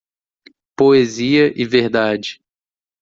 Poesia e verdade